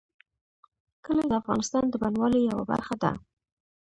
کلي د افغانستان د بڼوالۍ یوه برخه ده.